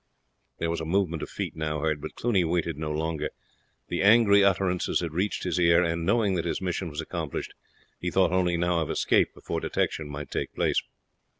There was a movement of feet now heard, but Cluny waited no longer. The angry utterances had reached his ear, and knowing that his mission was accomplished he thought only now of escape before detection might take place.